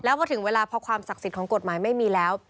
พอถึงเวลาพอความศักดิ์สิทธิ์ของกฎหมายไม่มีแล้ว